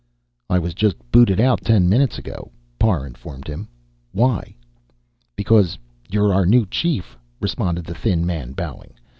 "I was just booted out, ten minutes ago," Parr informed him. "Why?" "Because you're our new chief," responded the thin man, bowing.